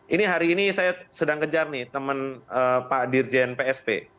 ini hari ini saya sedang kejar nih teman pak dirjen psp